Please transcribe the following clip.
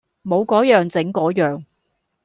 冇個樣整個樣